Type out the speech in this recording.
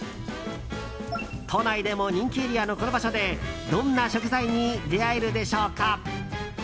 都内でも人気エリアのこの場所でどんな食材に出会えるでしょうか。